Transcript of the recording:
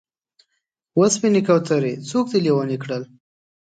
و سپینې کوترې! څوک دې لېونی کړل؟